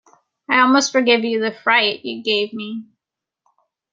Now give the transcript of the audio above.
I almost forgive you the fright you gave me!